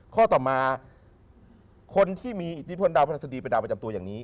ข้อต่อมาคนที่มีอิทธิพลดาวพระราชดีเป็นดาวประจำตัวอย่างนี้